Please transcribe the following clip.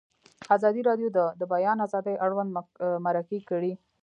ازادي راډیو د د بیان آزادي اړوند مرکې کړي.